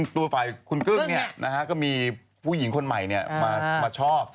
ตัวฝ่ายคุณกึ้งเนี่ยก็มีผู้หญิงคนใหม่เนี่ยมาชอบ